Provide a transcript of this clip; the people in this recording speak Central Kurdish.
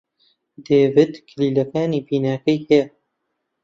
دەیڤد کلیلەکانی بیناکەی هەیە.